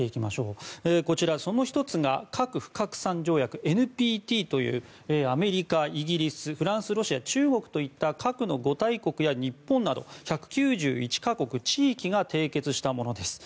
その１つが核不拡散条約・ＮＰＴというアメリカ、イギリスフランス、ロシア、中国といった核の五大国や日本など１９１か国、地域が締結したものです。